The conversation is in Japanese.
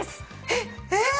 えっえーっ！？